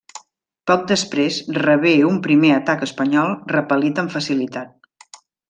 Poc després rebé un primer atac espanyol, repel·lit amb facilitat.